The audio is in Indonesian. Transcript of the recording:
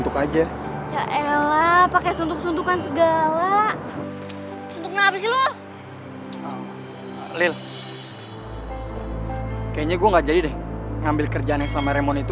kayaknya gue gak jadi deh ngambil kerjaannya sama remon itu